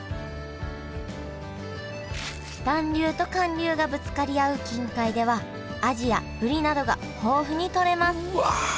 暖流と寒流がぶつかり合う近海ではアジやブリなどが豊富に取れますうわ